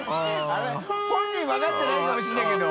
あれ本人分かってないかもしれないけど。